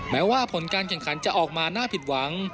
แม้ว่าผลการแข่งขันจะออกมาน่าผิดหวัง